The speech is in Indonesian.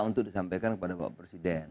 untuk disampaikan kepada bapak presiden